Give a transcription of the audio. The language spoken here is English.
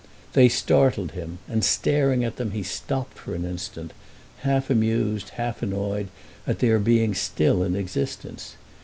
They startled him and, staring at them, he stopped for an instant, half amused, half annoyed at their being still in existence.